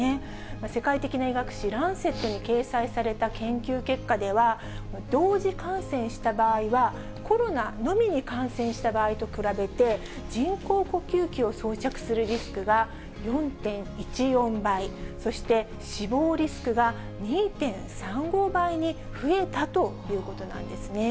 世界的な医学誌、ランセットに掲載された研究結果では、同時感染した場合は、コロナのみに感染した場合と比べて、人工呼吸器を装着するリスクが４．１４倍、そして死亡リスクが２．３５倍に増えたということなんですね。